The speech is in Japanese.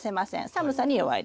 寒さに弱いです。